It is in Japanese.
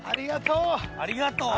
ありがとう！